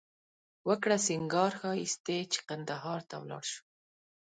وکړه سینگار ښایښتې چې قندهار ته ولاړ شو